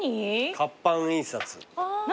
「活版印刷」何？